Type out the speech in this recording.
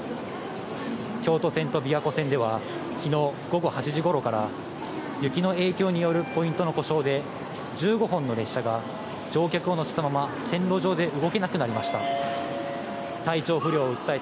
京都線と琵琶湖線では、昨日午後８時頃から雪の影響によるポイントの故障で、１５本の列車が乗客を乗せたまま線路上で動けなくなりました。